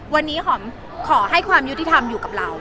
วันนี้หอมขอให้ความยุติธรรมอยู่กับเรา